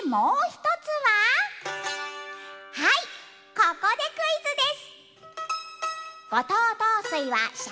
ここでクイズです。